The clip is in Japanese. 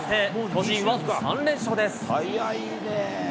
巨人は３連勝です。